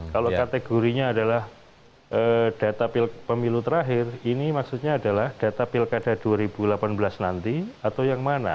kalau kategorinya adalah data pemilu terakhir ini maksudnya adalah data pilkada dua ribu delapan belas nanti atau yang mana